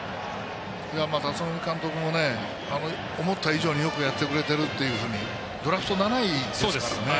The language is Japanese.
立浪監督も、思った以上によくやってくれてるというふうにドラフト７位ですからね。